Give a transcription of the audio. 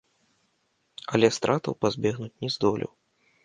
Але стратаў пазбегнуць не здолеў.